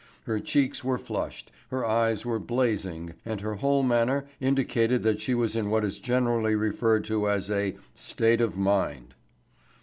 Her checks were flushed, her eyes were blazing and her whole manner indicated that she was in what is generally referred to as a "state of mind."